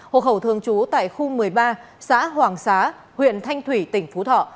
hộ khẩu thường trú tại khu một mươi ba xã hoàng xá huyện thanh thủy tỉnh phú thọ